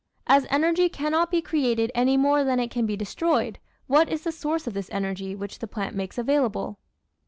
As energy cannot be created any more than it can be destroyed, what is the source of this energy which the plant makes available?